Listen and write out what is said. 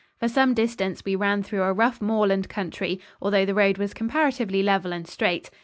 For some distance we ran through a rough moorland country, although the road was comparatively level and straight.